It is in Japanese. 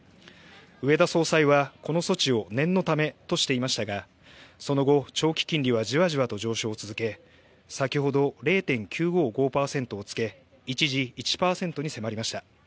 植田総裁はこの措置を念のためとしていましたがその後、長期金利はじわじわと上昇を続け先ほど、０．９５５％をつけ一時、１％に迫りました。